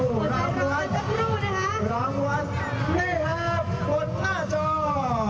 รองวันนะคะรองวันรองวันรองวันนี่ครับข้นหน้าจอ